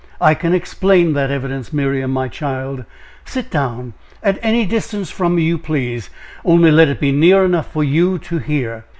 "I can explain that evidence. Miriam, my child, sit down at any distance from me you please only let it be near enough for you to hear.